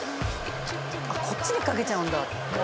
こっちにかけちゃうんだ